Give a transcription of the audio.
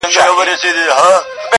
خدای درکړي دي غښتلي وزرونه-